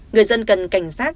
người dân cần cảnh giác